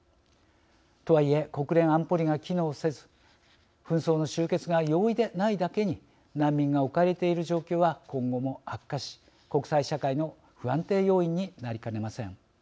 とはいえ国連安保理が機能せず紛争の終結が容易でないだけに難民が置かれている状況は今後も悪化し国際社会の不安定要因になりかねません。